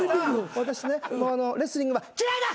私ねもうレスリングは嫌いだ！